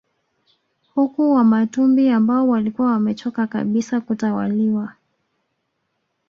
Huku Wamatumbi ambao walikuwa wamechoka kabisa kutawaliwa